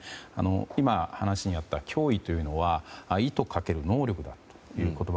今、話にあった脅威というのは意図かける能力だと。